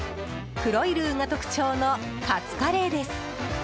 黒いルーが特徴のカツカレーです。